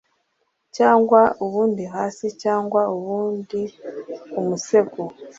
cyangwa ubundi hasi cyangwa ubundi umusego,